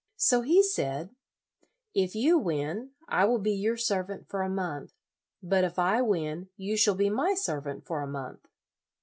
So he said, " If you win, I will be your servant for a month; but if I win you shall be my servant for a month.'